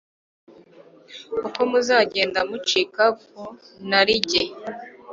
Uko muzagenda mucika ku narijye,